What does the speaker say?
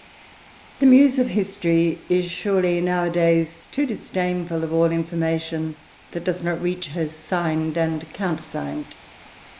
The Muse of History is surely now a days too disdainful of all information that does not reach her signed and countersigned.